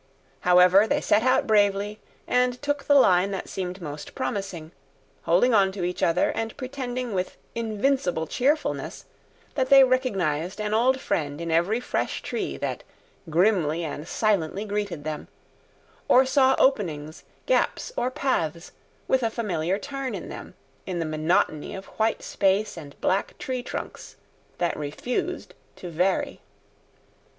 However, they set out bravely, and took the line that seemed most promising, holding on to each other and pretending with invincible cheerfulness that they recognized an old friend in every fresh tree that grimly and silently greeted them, or saw openings, gaps, or paths with a familiar turn in them, in the monotony of white space and black tree trunks that refused to vary.